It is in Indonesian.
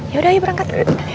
yaudah yuk berangkat